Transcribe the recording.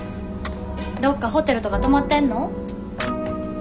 どっかホテルとか泊まってんの？